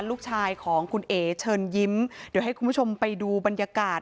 ลูกชายของคุณเอ๋เชิญยิ้มเดี๋ยวให้คุณผู้ชมไปดูบรรยากาศ